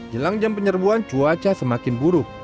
jelang jam penyerbuan cuaca semakin buruk